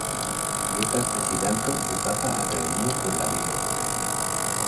Li estas prezidanto de Papa Akademio por la vivo.